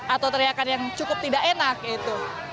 atau teriakan yang cukup tidak enak itu